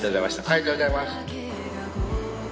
ありがとうございます。